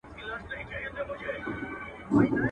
o چونه انا راولئ، چي سر ئې په کټو کي ور پرې کي.